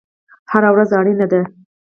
هره ورځ اړینه ده